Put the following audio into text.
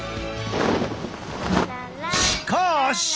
しかし！